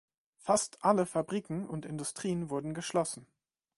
Fast alle Fabriken und Industrien wurden geschlossen.